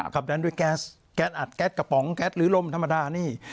ดันด้วยแก๊สแก๊สอัดแก๊สกระป๋องแก๊สหรือลมธรรมดานี่